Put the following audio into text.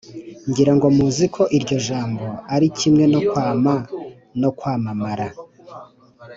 ngirango muzi ko iryo jambo ari kimwe no kwama, no kwamamara.